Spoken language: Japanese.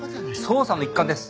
捜査の一環です。